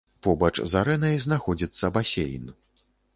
Побач з арэнай знаходзіцца басейн.